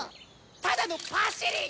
ただのパシリ！